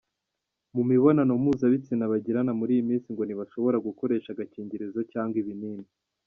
Mu mibonano mpuzabitsina bagirana muri iyi minsi ngo ntibashobora gukoresha agakingirizo cyangwa ibinini.